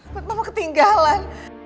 bapak mau ketinggalan